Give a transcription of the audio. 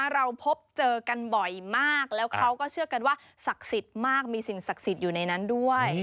เราพบเจอกันบ่อยมากแล้วเขาก็เชื่อกันว่าศักดิ์สิทธิ์มากมีสิ่งศักดิ์สิทธิ์อยู่ในนั้นด้วย